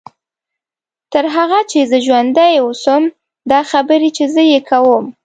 تر هغه چې زه ژوندۍ واوسم دا خبرې چې زه یې کوم.